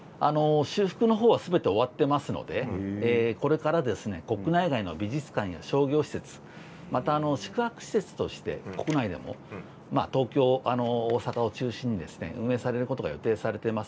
修復はすべて終わっていますのでこれから国内外の美術館や商業施設また宿泊施設として国内でも東京、大阪を中心に運営されることが予定されています。